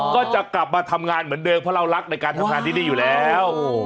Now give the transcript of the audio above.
ก็จะกลับมาทำงานเหมือนเดิมเพราะเรารักในการทำงานที่นี่อยู่แล้ว